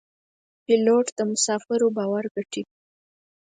پیلوټ د مسافرو باور ګټي.